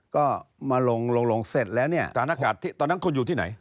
ก็มาลงลงเสร็จแล้วเนี่ยฐานอากาศที่ตอนนั้นคุณอยู่ที่ไหน